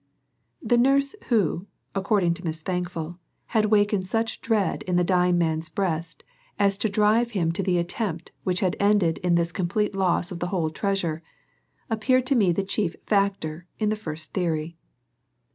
The nurse who, according to Miss Thankful, had wakened such dread in the dying man's breast as to drive him to the attempt which had ended in this complete loss of the whole treasure, appeared to me the chief factor in the first theory.